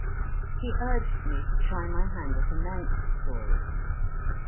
He urged me to try my hand at a Manx story.